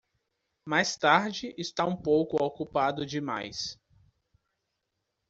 Mais tarde, está um pouco ocupado demais.